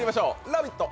「ラヴィット！」